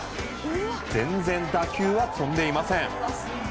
全然打球は飛んでいません。